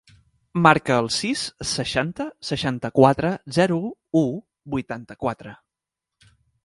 Marca el sis, seixanta, seixanta-quatre, zero, u, vuitanta-quatre.